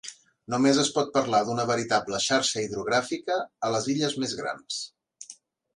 Només es pot parlar d'una veritable xarxa hidrogràfica a les illes més grans.